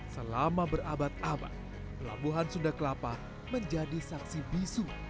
selama berabad abad pelabuhan sunda kelapa menjadi saksi bisu